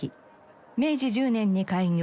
明治１０年に開業。